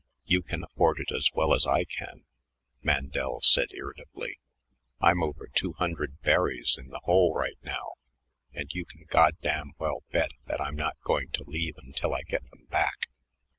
"You can afford it as well as I can," Mandel said irritably. "I'm over two hundred berries in the hole right now, and you can goddamn well bet that I'm not going to leave until I get them back."